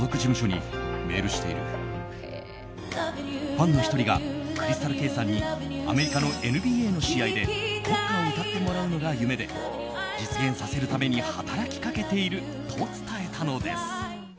ファンの１人がＣｒｙｓｔａｌＫａｙさんにアメリカのＮＢＡの試合で国歌を歌ってもらうのが夢で実現させるために働きかけていると伝えたのです。